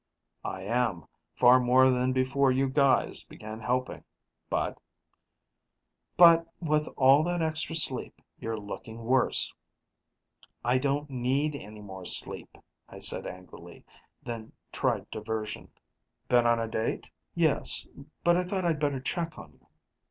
"I am, far more than before you guys began helping, but " "But with all that extra sleep, you're looking worse." "I don't need any more sleep!" I said angrily, then tried diversion, "Been on a date?" "Yes, but I thought I'd better check on you."